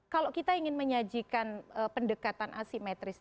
kalau kita ingin menyajikan pendekatan asimetris